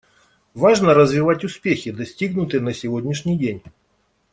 Важно развивать успехи, достигнутые на сегодняшний день.